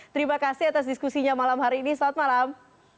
terima kasih atas diskusinya malam hari ini selamat malam